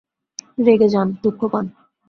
রেগে যান, দুঃখ পান।